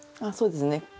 そうですね。